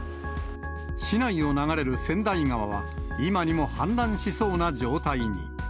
市内を流れる千代川は、今にも氾濫しそうな状態に。